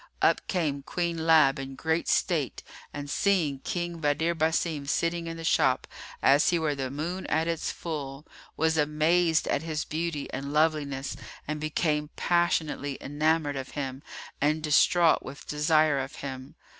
up came Queen Lab, in great state, and seeing King Badr Basim sitting in the shop, as he were the moon at its full, was amazed at his beauty and loveliness and became passionately enamoured of him, and distraught with desire of him.